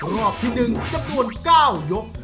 รอบที่๑จำนวน๙ยก